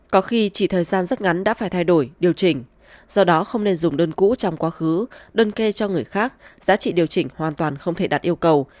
có khi chỉ thời gian rất ngắn đã phải thay đổi điều chỉnh do đó không nên dùng đơn cũ trong quá khứ đơn kê cho người khác giá trị điều chỉnh hoàn toàn không thể đạt yêu cầu